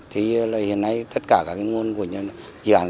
thì hiện nay tất cả các nguồn của dự án